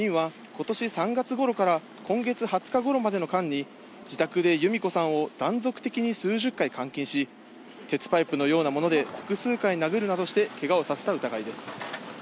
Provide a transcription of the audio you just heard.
警察によりますと４人はことし３月ごろから今月２０日ごろまでの間に、自宅で由美子さんを断続的に数十回監禁し、鉄パイプのようなもので複数回殴るなどして、けがをさせた疑いです。